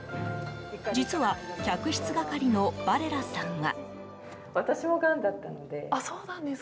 実は、客室係のバレラさんは。